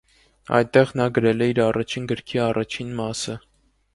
Այնտեղ նա գրել է իր առաջին գրքի առաջին մասը։